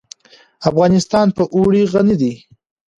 افغانستان په اوړي غني دی.